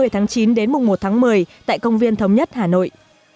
ba mươi tháng chín đến mùng một tháng một mươi tại công viên thống nhất hà nội